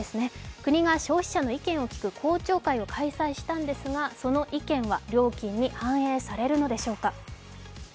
国が消費者を聞く公聴会を開催したんですがその意見は料金に反映されるのでしょうか。